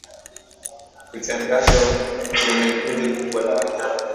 Kuchanganywa kwenye kundi kubwa la wanyama